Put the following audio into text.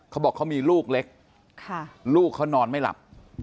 เขาบอกเขามีลูกเล็กลูกเขานอนไม่หลับ